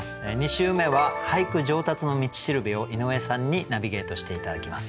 ２週目は俳句上達の道しるべを井上さんにナビゲートして頂きます。